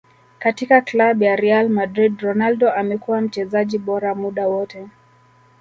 Katika club ya Real madrid Ronaldo amekuwa mchezaji bora muda wote